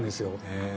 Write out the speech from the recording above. へえ。